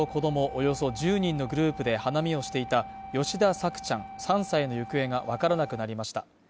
およそ１０人のグループで花見をしていた吉田朔ちゃん３歳の行方がわからなくなりました。